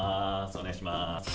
お願いします。